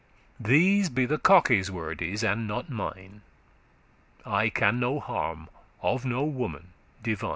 These be the cocke's wordes, and not mine; I can no harm of no woman divine.